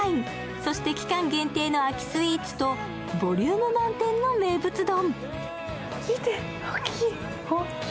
そして、期間限定の秋スイーツとボリューム満点の名物丼。